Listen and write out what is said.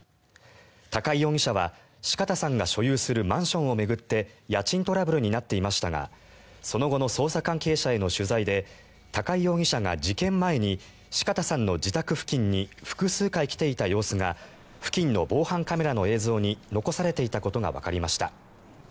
高井容疑者は四方さんが所有するマンションを巡って家賃トラブルになっていましたがその後の捜査関係者への取材で高井容疑者が事件前に四方さんの自宅付近に複数回来ていた様子が付近の防犯カメラの映像に残されていたことがわかりました。